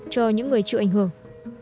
cho những người chịu ảnh hưởng